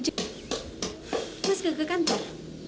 saya masih tidak ke kantor